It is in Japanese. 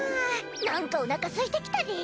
なんかおなかすいてきたで。